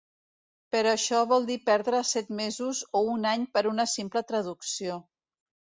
Però això vol dir perdre set mesos o un any per una simple traducció.